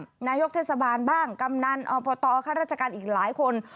นายกอบตบ้างนายกเทศบาลบ้างกำนันอบตข้าราชการอีกหลายคน